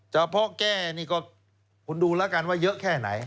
เพาะแก้นี่ก็คุณดูแล้วกันว่าเยอะแค่ไหน